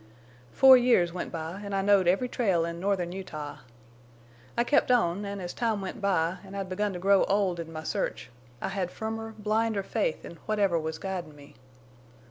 Four years went by, an' I knowed every trail in northern Utah. I kept on an' as time went by, an' I'd begun to grow old in my search, I had firmer, blinder faith in whatever was guidin' me.